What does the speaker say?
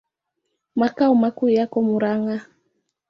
Makao makuu yako Murang'a.